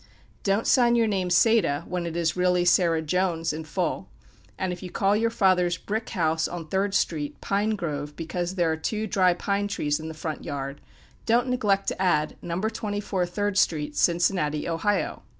Don't sign your name "Saida," when it is really Sarah Jones "in full;" and if you call your father's brick house on Third street, "Pine Grove," because there are two dry pine trees in the front yard, don't neglect to add "No. 24, Third Street, Cincinnati, Ohio."